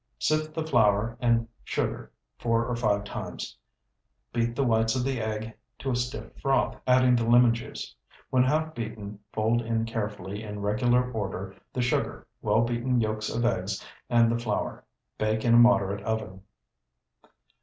Sift the flour and sugar four or five times. Beat the whites of the egg to a stiff froth, adding the lemon juice. When half beaten, fold in carefully in regular order the sugar, well beaten yolks of eggs, and the flour. Bake in a moderate oven.